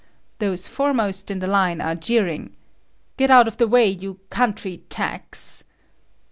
Those foremost in the line are jeering, "Get out of the way, you country tax!"